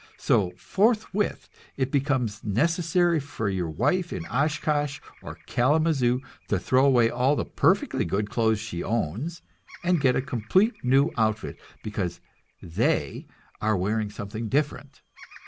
So forthwith it becomes necessary for your wife in Oshkosh or Kalamazoo to throw away all the perfectly good clothes she owns, and get a complete new outfit because "they" are wearing something different.